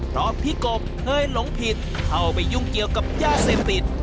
เพราะพี่กบเคยหลงผิดเข้าไปยุ่งเกี่ยวกับยาเสพติด